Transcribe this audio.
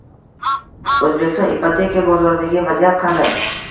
O‘zbekiston ipoteka bozoridagi vaziyat qanday?